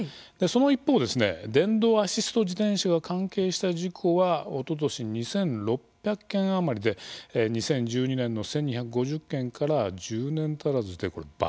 その一方ですね電動アシスト自転車が関係した事故はおととし２，６００件余りで２０１２年の１，２５０件から１０年足らずでこれ倍増してるんですね。